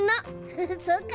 フフッそうか。